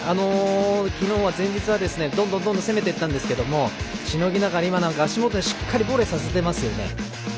昨日の前日はどんどん攻めていったんですがしのぎながら、足元にしっかりとボレーさせてますよね。